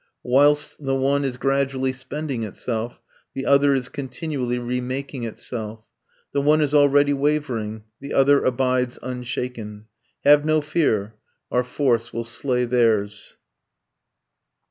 Whilst the one is gradually spending itself, the other is continually remaking itself. The one is already wavering, the other abides unshaken. Have no fear, our force will slay theirs.